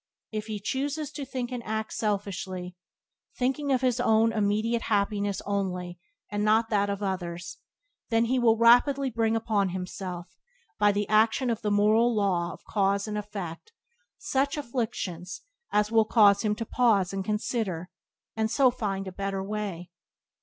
If he chooses to think and act selfishly, thinking of his own immediate happiness only and not of that of others , then he will rapidly bring upon himself, by the action of the moral law of cause and effect, such afflictions as will cause him to pause and consider, and so find a better way.